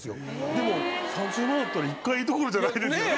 でも３０万あったら１回どころじゃないですよね？